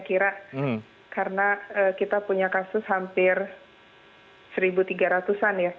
ini memang sesuatu yang kejutan